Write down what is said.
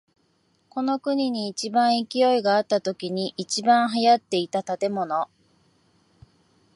この国に一番勢いがあったときに一番流行っていた建物。